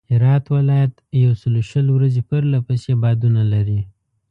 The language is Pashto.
هرات ولایت یوسلوشل ورځي پرله پسې بادونه لري.